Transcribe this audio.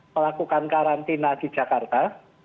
melakukan karantina di jakarta